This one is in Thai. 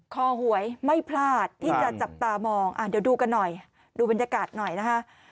หวยไม่พลาดที่จะจับตามองเดี๋ยวดูกันหน่อยดูบรรยากาศหน่อยนะคะ